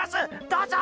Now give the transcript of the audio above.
どうぞ。